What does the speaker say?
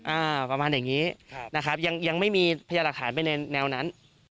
ประมาณอย่างนี้ครับนะครับยังยังไม่มีพยาหลักฐานไปในแนวนั้น